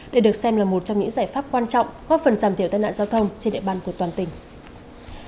để được xem là một trong những giải pháp quan trọng góp phần giảm thiểu tên lạc giao thông trên địa bàn của toàn tỉnh